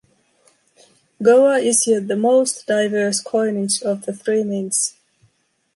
Goa issued the most diverse coinage of the three mints.